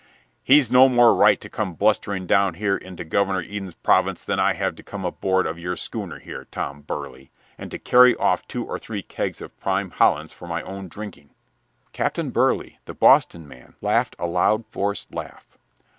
"He's no more right to come blustering down here into Governor Eden's province than I have to come aboard of your schooner here, Tom Burley, and to carry off two or three kegs of this prime Hollands for my own drinking." Captain Burley the Boston man laughed a loud, forced laugh.